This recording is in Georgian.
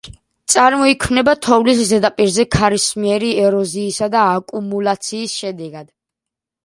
წარმოიქმნება თოვლის ზედაპირზე ქარისმიერი ეროზიისა და აკუმულაციის შედეგად.